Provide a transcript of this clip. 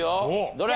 どれ？